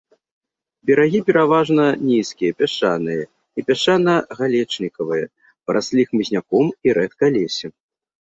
Берагі пераважна нізкія, пясчаныя і пясчана-галечнікавыя, параслі хмызняком і рэдкалессем.